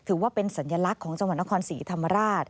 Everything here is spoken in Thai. ถือว่าเป็นสัญลักษณ์ของจังหวัดนครศรีธรรมราช